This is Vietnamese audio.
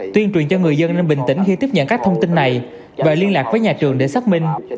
tuyên truyền cho người dân nên bình tĩnh khi tiếp nhận các thông tin này và liên lạc với nhà trường để xác minh